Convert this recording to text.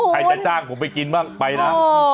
จะจ้างผมไปกินบ้างไปนะ